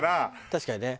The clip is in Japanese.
確かにね。